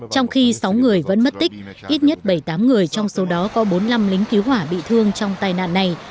trong khi sáu người vẫn mất tích ít nhất bảy tám người trong số đó có bốn năm lính cứu hỏa bị thương trong tai nạn này